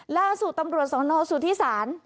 ล่าสุดตำรวจสนสุธิศาล